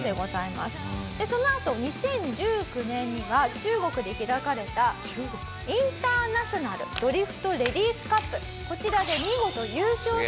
そのあと２０１９年には中国で開かれたインターナショナルドリフトレディースカップこちらで見事優勝しまして。